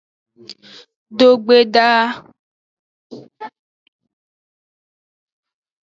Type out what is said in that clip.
Dogbedaa.